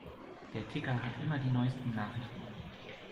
Der Ticker hat immer die neusten Nachrichten.